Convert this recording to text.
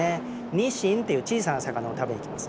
ニシンという小さな魚を食べに来ます。